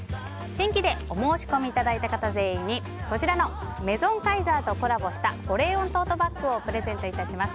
新規でお申し込みいただいた方全員に、こちらのメゾンカイザーとコラボした保冷温トートバッグをプレゼントいたします。